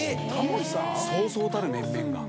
そうそうたる面々が。